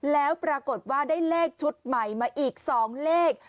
แล้วปรากฏว่าได้เลขชุดใหม่มาอีก๒เลข